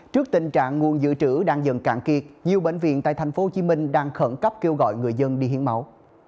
trước tình trạng nguồn dự trữ đang dần cạn kiệt nhiều bệnh viện tại tp hcm đang khẩn cấp kêu gọi người dân đi hiến máu